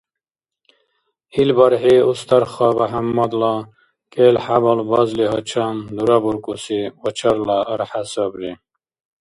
Ил бархӀи Устарха БяхӀяммадла кӀел-хӀябал базли гьачам дурабуркӀуси вачарла архӀя сабри.